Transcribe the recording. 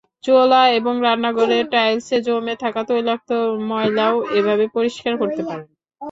চুলা এবং রান্নাঘরের টাইলসে জমে থাকা তৈলাক্ত ময়লাও এভাবে পরিষ্কার করতে পারেন।